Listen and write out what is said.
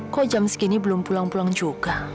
kok jam segini belum pulang pulang juga